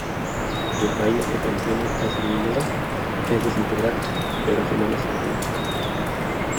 La vaina que contiene al criminal es desintegrada, pero su mano sobrevive.